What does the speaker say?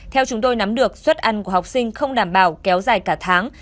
theo chúng tôi nắm được suất ăn của học sinh không đảm bảo kéo dài cả tháng